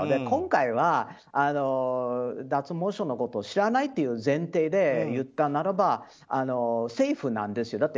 今回は脱毛症のことを知らないという前提で言ったならばセーフなんですよ。